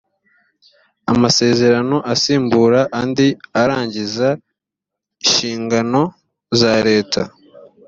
amasezerano asimbura andi arangiza inshingano za leta